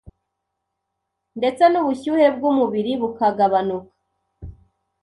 ndetse n’ubushyuhe bw’umubiri bukagabanuka.